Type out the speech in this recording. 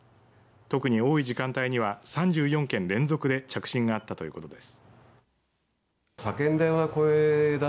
特に多い時間帯には３４件連続で着信があったということです。